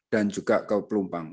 dan juga ke pelumpang